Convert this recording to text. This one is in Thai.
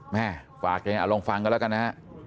แม่ฝากให้ลองฟังกันแล้วกันนะ